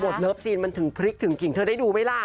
โหดเลิฟซีนมันถึงพริกถึงกิ่งเธอได้ดูมั้ยล่ะ